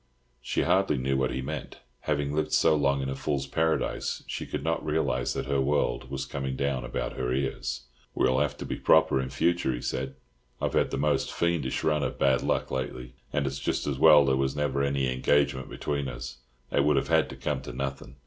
She hardly knew what he meant. Having lived so long in a fool's paradise, she could not realise that her world was coming down about her ears. "We'll have to be proper in future," he said. "I've had the most fiendish run of bad luck lately, and it's just as well there never was any engagement between us. It would have had to come to nothing."